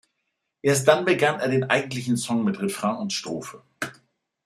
Erst dann begann er den eigentlichen Song mit Refrain und Strophe.